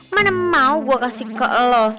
mana mau gue kasih ke allah